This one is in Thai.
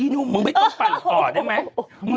หนุ่มมึงไม่ต้องปั่นต่อได้ไหม